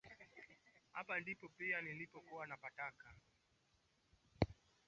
Hapa ndipo pia ilipo changamoto kubwa ya maendeleo